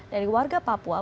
dari warga papua